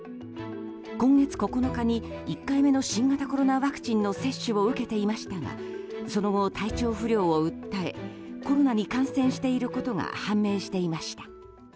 今月９日に１回目の新型コロナワクチンの接種を受けていましたがその後、体調不良を訴えコロナに感染していることが判明していました。